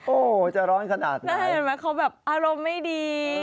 โอ้จะร้อนขนาดไหนสักครั้งเห็นไหมเขาแบบอารมณ์ไม่ดี